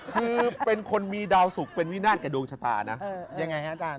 คือเป็นคนมีดาวสุขเป็นวินาทแต่ดวงชะตานะ